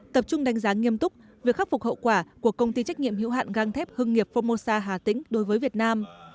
tập trung đánh giá nghiêm túc việc khắc phục hậu quả của công ty trách nhiệm hữu hạn găng thép hương nghiệp pháp mô sa hà tĩnh đối với việt nam